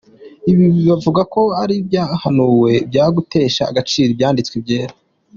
ibi bo bavuga ko ari ibyahanuwe byo gutesha agaciro ibyanditswe byera.